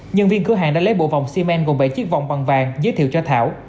nhân viên cửa hàng đã lấy bộ vòng xi men gồm bảy chiếc vòng bằng vàng giới thiệu cho thảo